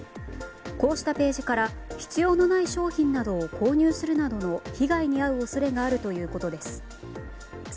こうしたページから必要のない商品などを購入するなどの被害に遭う恐れがあるということです。